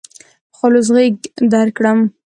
په خلوص غېږ درکړم.